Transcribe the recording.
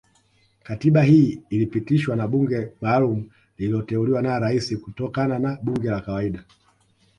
Katiba hii ilipitishwa na bunge maalumu lililoteuliwa na Rais kutokana na bunge la kawaida